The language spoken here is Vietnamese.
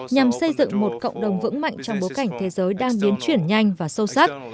nhằm xây dựng một cộng đồng vững mạnh trong bối cảnh thế giới đang biến chuyển nhanh và sâu sắc